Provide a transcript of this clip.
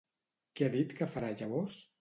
Què ha dit que farà llavors?